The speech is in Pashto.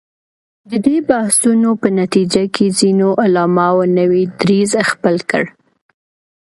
د دې بحثونو په نتیجه کې ځینو علماوو نوی دریځ خپل کړ.